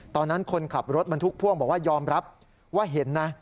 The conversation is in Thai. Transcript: ตอนนั้นคนขับรถบรรทุกพ่วงบอกว่ายอมรับว่าเห็นนะ